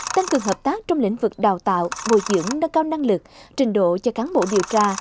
tăng cường hợp tác trong lĩnh vực đào tạo bồi dưỡng nâng cao năng lực trình độ cho cán bộ điều tra